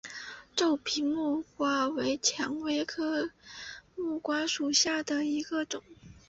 皱皮木瓜为蔷薇科木瓜属下的一个种。